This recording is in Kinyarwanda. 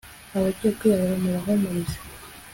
abagiye kwiyahura mubahumurize